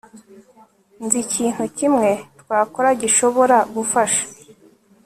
Nzi ikintu kimwe twakora gishobora gufasha